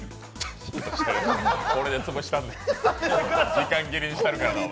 時間切れにしたるからな、お前。